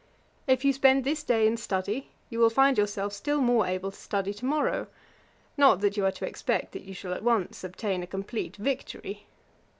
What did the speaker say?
If you spend this day in study, you will find yourself still more able to study to morrow; not that you are to expect that you shall at once obtain a complete victory.